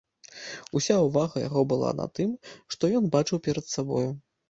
Уся ўвага яго была на тым, што ён бачыў перад сабою.